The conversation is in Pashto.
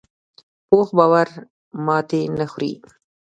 پوخ باور ماتې نه خوري